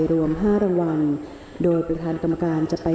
รวม๕รางวัลโดยประธานกรรมการจะไป